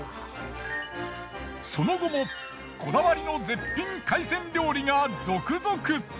その後もこだわりの絶品海鮮料理が続々。